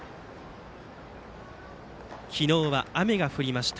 昨日は雨が降りました。